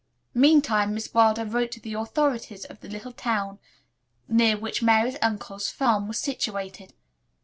Meantime Miss Wilder wrote to the authorities of the little town near which Mary's uncle's farm was situated.